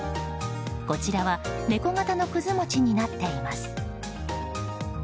こちらは猫型のくず餅になっています。